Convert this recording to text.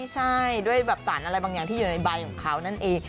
ใช่ด้วยแบบสารอะไรบางอย่างที่อยู่ในใบของเขานั่นเอง